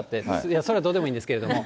それはどうでもいいんですけど。